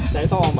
cháy to không bà